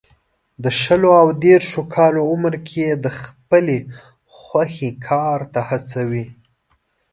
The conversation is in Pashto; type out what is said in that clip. د شلو او دېرشو کالو عمر کې یې د خپلې خوښې کار ته هڅوي.